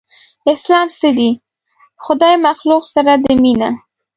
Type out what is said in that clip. اسلام څه دی؟ خدای مخلوق سره ده مينه